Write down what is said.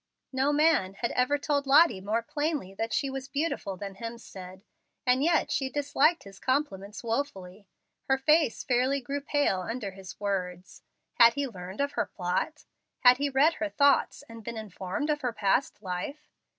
No man had ever told Lottie more plainly that she was beautiful, than Hemstead, and yet she disliked his compliments wofully. Her face fairly grew pale under his words. Had he learned of her plot? Had he read her thoughts, and been informed of her past life?